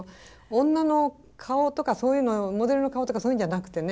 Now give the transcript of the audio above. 女の顔とかそういうのモデルの顔とかそういうのじゃなくてね。